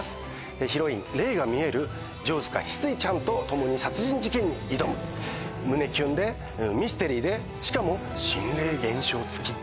ヒロイン霊が見える城塚翡翠ちゃんと共に殺人事件に挑む胸キュンでミステリーでしかも心霊現象付き